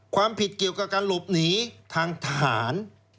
ความผิดเกี่ยวกับการหลบหนีทางทหาร